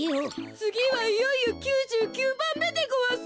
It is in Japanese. つぎはいよいよ９９ばんめでごわす。